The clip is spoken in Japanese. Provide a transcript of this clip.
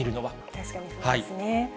確かにそうですね。